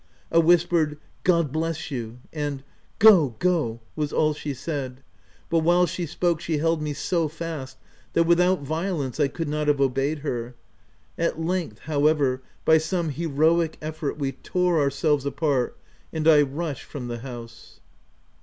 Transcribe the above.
A whispered rc God bless you !" and " Go — go !" was all she said ; but while she spoke, she held me so fast that, without violence, I could not have obeyed her. At length, however, by some heroic effort, we tore ourselves apart, and I rushed from the house.